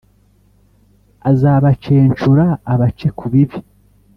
Azabacencura abace ku bibi